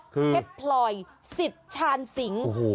เป็ดพลอยสิทธิ์ชาญสิง